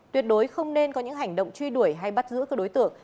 tuyệt đối không nên có những hành động truy đuổi hay bắt giữ các đối tượng